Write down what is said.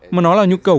mà nó là nhu cầu